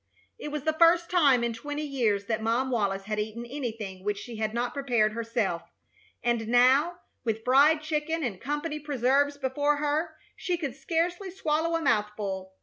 It was the first time in twenty years that Mom Wallis had eaten anything which she had not prepared herself, and now, with fried chicken and company preserves before her, she could scarcely swallow a mouthful.